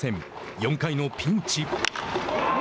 ４回のピンチ。